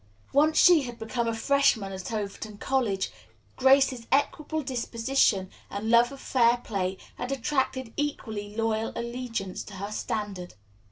Once she had become a freshman at Overton College, Grace's equable disposition and love of fair play had attracted equally loyal allegiance to her standard.